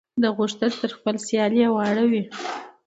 ده غوښتل چې تر خپل سیال یې واړوي.